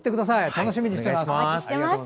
楽しみにしています。